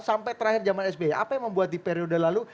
sampai terakhir zaman sby apa yang membuat di periode lalu